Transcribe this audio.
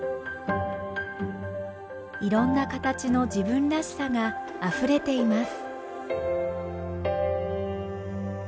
いろんな形の自分らしさがあふれています。